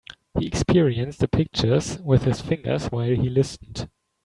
He experienced the pictures with his fingers while he listened.